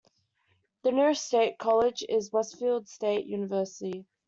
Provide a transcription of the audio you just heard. The nearest state college is Westfield State University.